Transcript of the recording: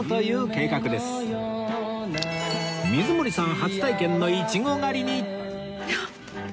初体験のイチゴ狩りに